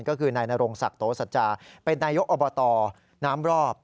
ก็คือนายนรงศักดิ์โตสัจจาเป็นนายกอบตน้ำรอบ